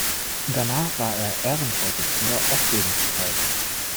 Danach war er Ehrenvorsitzender auf Lebenszeit.